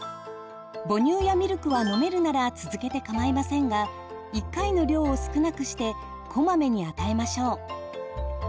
母乳やミルクは飲めるなら続けてかまいませんが１回の量を少なくしてこまめに与えましょう。